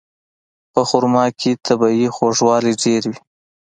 په خرما کې طبیعي خوږوالی ډېر وي.